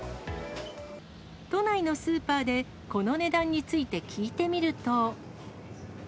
都内のスーパーで、この値段について聞いてみると。